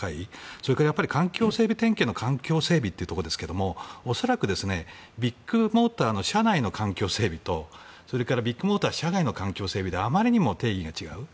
それから、環境整備点検の環境整備というところですが恐らく、ビッグモーターの社内の環境整備点検とビッグモーター社外の環境整備であまりにも定義が違う。